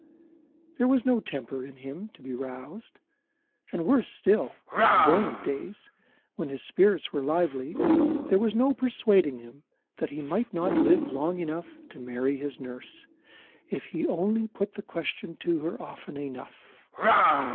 There was no temper in him to be roused; and, worse still, on buoyant days, when his spirits were lively, there was no persuading him that he might not live long enough to marry his nurse, if he only put the question to her often enough.